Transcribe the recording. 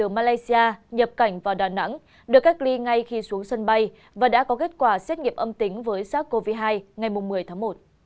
malaysia nhập cảnh vào đà nẵng được cách ly ngay khi xuống sân bay và đã có kết quả xét nghiệm âm tính với sars cov hai ngày một mươi tháng một